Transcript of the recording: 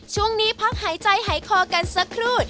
ช่วงนี้พักหายใจหายคอกันสักครู่